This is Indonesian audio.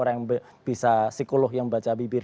yang bisa sikuluh yang baca bibir